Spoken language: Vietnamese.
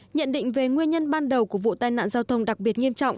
nhận định về nguyên nhân ban đầu của vụ tai nạn giao thông đặc biệt nghiêm trọng